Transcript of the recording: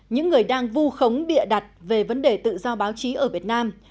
những người đang vu khống bịa đặt về vấn đề tự do báo chí ở việt nam